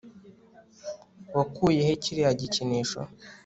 wakuye he kiriya gikinisho